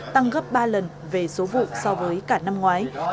tăng gấp ba lần về số vụ so với cả năm ngoái